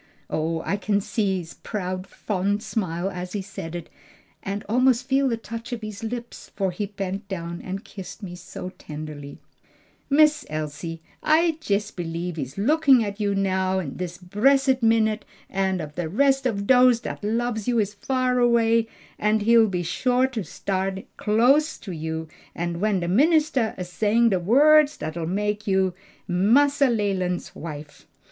Oh, I can see his proud, fond smile as he said it, and almost feel the touch of his lips; for he bent down and kissed me so tenderly." "Miss Elsie, I jes b'lieves he's a lookin' at you now dis bressed minute, and ef de res' of dose dat lubs you is far away he'll be sho to stan' close side o' you when de ministah's a saying de words dat'll make you Massa Leland's wife."